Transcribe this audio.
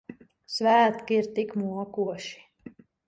Svētki ir tik mokoši.